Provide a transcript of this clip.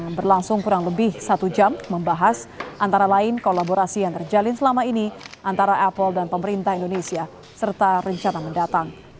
yang berlangsung kurang lebih satu jam membahas antara lain kolaborasi yang terjalin selama ini antara apple dan pemerintah indonesia serta rencana mendatang